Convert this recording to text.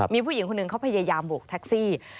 มีผู้หญิงคนหนึ่งเขาพยายามโบกแท็กซี่